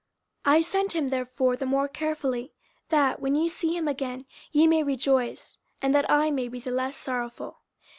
50:002:028 I sent him therefore the more carefully, that, when ye see him again, ye may rejoice, and that I may be the less sorrowful.